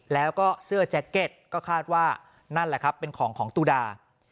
แล้วก็เสื้อแจ็คเก็ตก็คาดว่านั่นแหละครับเป็นของของตุดา